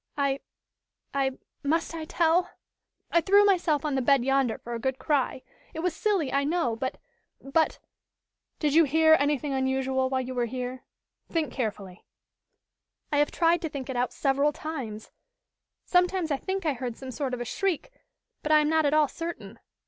"I I, must I tell? I threw myself on the bed yonder for a good cry. It was silly, I know but but " "Did you hear anything unusual while you were here? Think carefully." "I have tried to think it out several times. Sometimes I think I heard some sort of a shriek, but I am not at all certain.